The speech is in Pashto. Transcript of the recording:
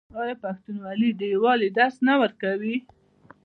آیا پښتونولي د یووالي درس نه ورکوي؟